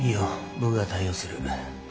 僕が対応する。